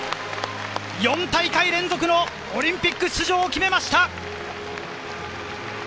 ４大会連続のオリンピック出場を決めました！